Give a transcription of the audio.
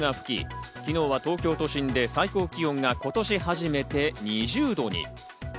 一昨日、関東地方で春一番が吹き、昨日は東京都心で最高気温が今年初めて２０度に。